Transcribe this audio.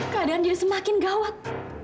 keadaan dia semakin gawat